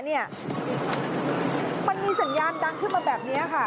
มันมีสัญญาณดังขึ้นมาแบบนี้ค่ะ